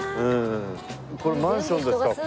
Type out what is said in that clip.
これマンションですからここ。